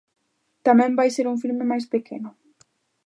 Tamén vai ser un filme máis pequeno.